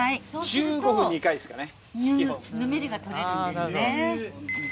１５分２回ですかね。